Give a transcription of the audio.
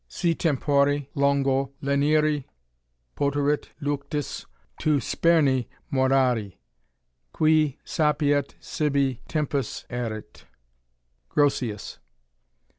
(f »SV tempore longo Leniri poterit luctus, tu speme morari^ Qui sapiet sibi tempus erit, " Grotius.